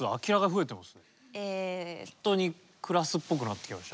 ほんとにクラスっぽくなってきましたよね。